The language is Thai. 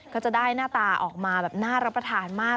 ก็จะได้หน้าตาออกมาแบบน่ารับประทานมาก